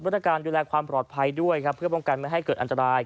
ตรการดูแลความปลอดภัยด้วยครับเพื่อป้องกันไม่ให้เกิดอันตราย